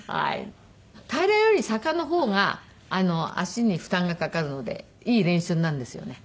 平らより坂の方が足に負担がかかるのでいい練習になるんですよね。